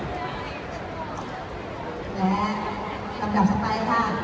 และลำดับสักไปค่ะ